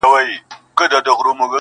لټوم بایللی هوښ مي ستا د کلي په کوڅو کي،